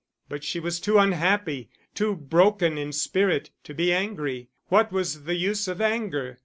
But she was too unhappy, too broken in spirit, to be angry. What was the use of anger?